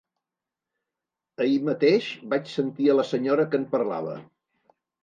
Ahir mateix vaig sentir a la senyora que en parlava.